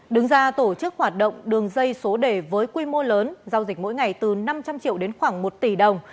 đứng ra tổ chức hoạt động đường dây số đề với quy mô lớn giao dịch mỗi ngày từ năm trăm linh triệu đến khoảng một tỷ đồng